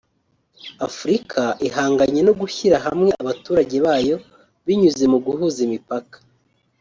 Afurika ihanganye no gushyira hamwe abaturage bayo binyuze mu guhuza imipaka